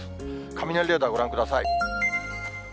雷レーダーご覧ください。